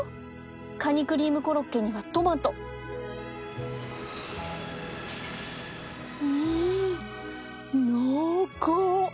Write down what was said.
カニクリームコロッケにはトマトん濃厚！